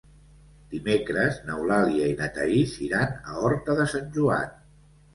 Dimecres n'Eulàlia i na Thaís iran a Horta de Sant Joan.